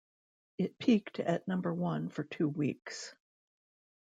It peaked at number one for two weeks.